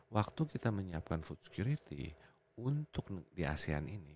waktu kita menyiapkan food security untuk di asean ini